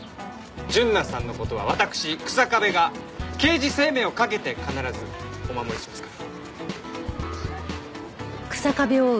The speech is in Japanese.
純奈さんの事は私草壁が刑事生命をかけて必ずお守りしますから。